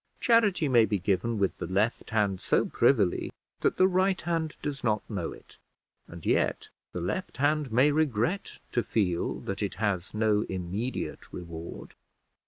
Charity may be given with the left hand so privily that the right hand does not know it, and yet the left hand may regret to feel that it has no immediate reward.